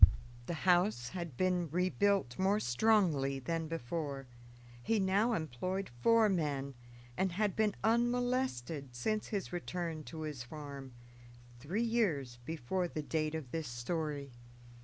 The house had been rebuilt more strongly than before. He now employed four men, and had been unmolested since his return to his farm, three years before the date of this story.